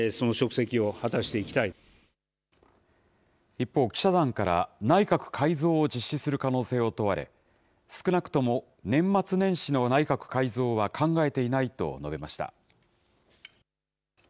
一方、記者団から内閣改造を実施する可能性を問われ、少なくとも年末年始の内閣改造は考えていないと述べました。